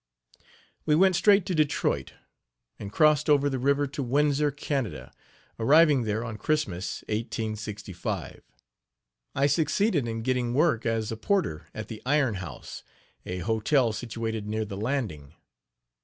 We went straight to Detroit, and crossed over the river to Windsor, Canada, arriving there on Christmas 1865. I succeeded in getting work as a porter at the Iron House, a hotel situated near the landing.